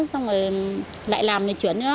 xong rồi lại làm chuyển